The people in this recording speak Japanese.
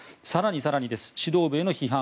更に、指導部への批判